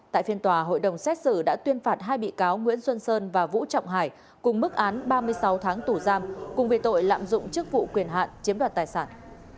tại phiên tòa hội đồng xét xử đã tuyên phạt hai bị cáo nguyễn xuân sơn và vũ trọng hải cùng mức án ba mươi sáu tháng tù giam cùng về tội lạm dụng chức vụ quyền hạn chiếm đoạt tài sản